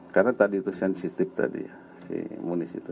karena tadi itu sensitif tadi ya si munis itu